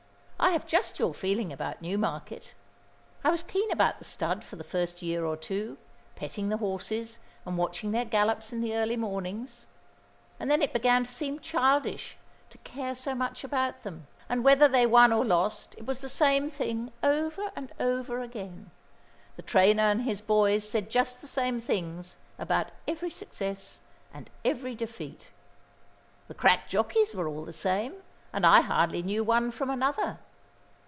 I have just your feeling about Newmarket. I was keen about the stud for the first year or two, petting the horses, and watching their gallops in the early mornings; and then it began to seem childish to care so much about them; and whether they won or lost it was the same thing over and over again. The trainer and his boys said just the same things about every success and every defeat. The crack jockeys were all the same, and I hardly knew one from another.